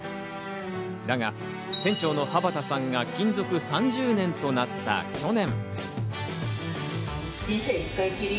だが店長の巾田さんが勤続３０年となった去年。